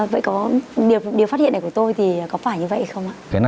vậy có điều phát hiện này của tôi thì có phải như vậy không ạ